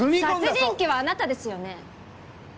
殺人鬼はあなたですよね？